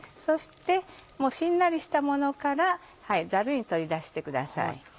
そしてしんなりしたものからザルに取り出してください。